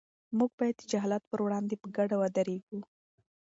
موږ باید د جهالت پر وړاندې په ګډه ودرېږو.